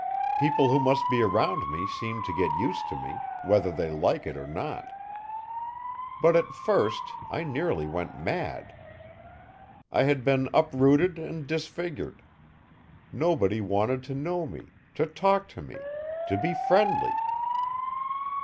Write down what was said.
People who must be around me seem to get used to me, whether they like it or not. But at first I nearly went mad. I had been uprooted and disfigured. Nobody wanted to know me, to talk to me, to be friendly.